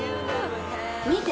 見て！